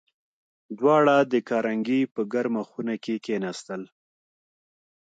دواړه د کارنګي په ګرمه خونه کې کېناستل